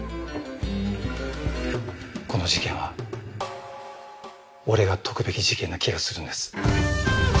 この事件は俺が解くべき事件な気がするんです。